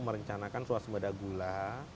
merencanakan swas bada gula